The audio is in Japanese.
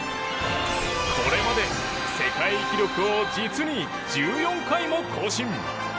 これまで世界記録を実に１４回も更新。